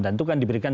dan itu kan diberikan